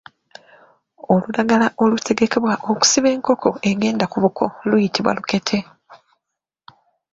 Olulagala olutegekebwa okusiba enkoko egenda ku buko luyitibwa lukete.